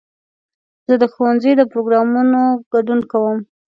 زه د ښوونځي د پروګرامونو ګډون کوم.